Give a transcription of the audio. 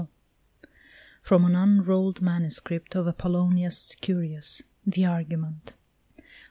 FROM AN UNROLLED MANUSCRIPT OF APOLLONIUS CURIUS. THE ARGUMENT.